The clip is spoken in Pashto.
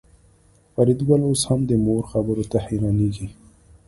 فریدګل اوس هم د مور خبرو ته حیرانېږي